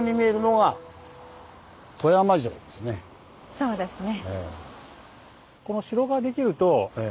そうですね。